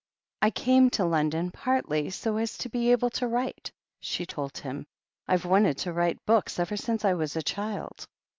"I came to London partly so as to be able to write," she told him. "I have wanted to write books ever since I was a child."